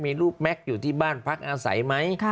มีลูกแม็กซ์อยู่ที่บ้านพักอาศัยไหม